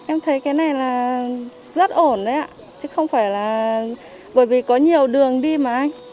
em thấy cái này là rất ổn đấy ạ chứ không phải là bởi vì có nhiều đường đi mà anh